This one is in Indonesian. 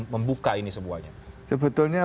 membuka ini semuanya sebetulnya